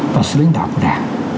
vào sự lãnh đạo của đảng